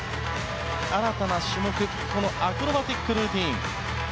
新たな種目アクロバティックルーティン。